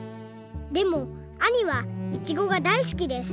でもあにはいちごがだいすきです。